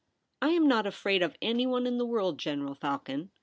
I am not afraid of anyone in the world, General Falcon.